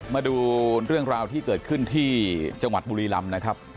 มาดูเรื่องราวที่เกิดขึ้นที่จังหวัดบุรีรำนะครับ